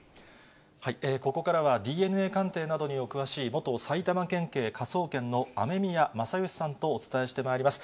ここからはＤＮＡ鑑定などにお詳しい元埼玉県警科捜研の雨宮正欣さんとお伝えしてまいります。